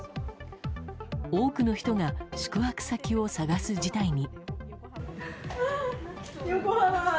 多くの人が宿泊先を探す事態に。